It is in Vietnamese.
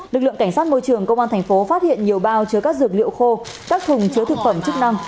lực lượng cảnh sát môi trường công an thành phố phát hiện nhiều bao chứa các dược liệu khô các thùng chứa thực phẩm chức năng